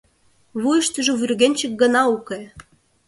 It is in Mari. Вуйыштыжо вӱргенчык гына уке.